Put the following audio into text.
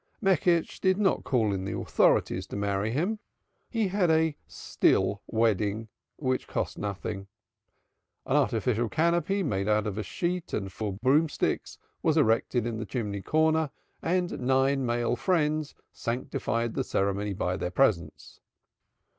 Meckisch did not call in the authorities to marry him. He had a "still wedding," which cost nothing. An artificial canopy made out of a sheet and four broomsticks was erected in the chimney corner and nine male friends sanctified the ceremony by their presence.